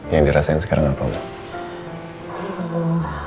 yang dirasain sekarang apa mbak